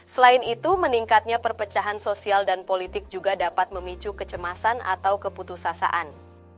selain itu meningkatnya perpecahan sosial dan politik juga dapat memicu kecemasan atau keputusasaan